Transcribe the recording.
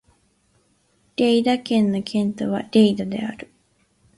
リェイダ県の県都はリェイダである